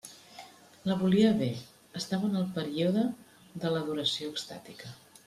La volia bé: estava en el període de l'adoració extàtica.